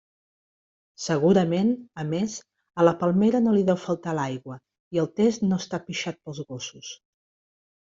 Segurament, a més, a la palmera no li deu faltar l'aigua i el test no està pixat pels gossos.